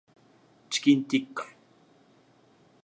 チキンティッカ